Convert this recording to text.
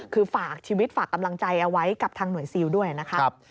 คือฝากชีวิตฝากกำลังใจเอาไว้กับทางหน่วยซิลด้วยนะครับ